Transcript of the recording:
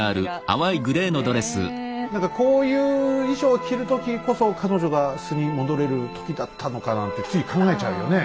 何かこういう衣装を着る時こそ彼女が素に戻れる時だったのかななんてつい考えちゃうよね。